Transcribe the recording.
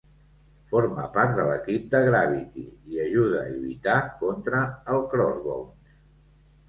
Forma part de l'equip de Gravity i ajuda a lluitar contra el Crossbones.